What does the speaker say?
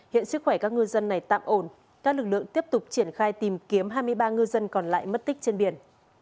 hiện sức khỏe các ngư dân này tạm ổn các lực lượng tiếp tục triển khai tìm kiếm hai mươi ba ngư dân còn lại mất tích trên biển